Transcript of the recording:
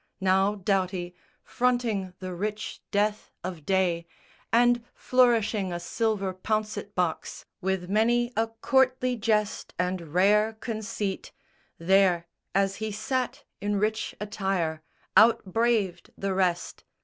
Now Doughty, fronting the rich death of day, And flourishing a silver pouncet box With many a courtly jest and rare conceit, There as he sat in rich attire, out braved The rest.